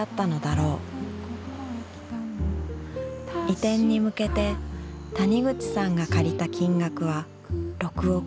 移転に向けて谷口さんが借りた金額は６億円。